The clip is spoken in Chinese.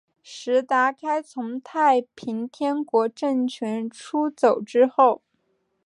石达开从太平天国政权出走之后。